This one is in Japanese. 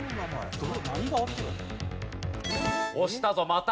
押したぞまた。